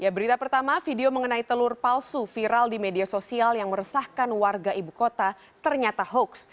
berita pertama video mengenai telur palsu viral di media sosial yang meresahkan warga ibu kota ternyata hoax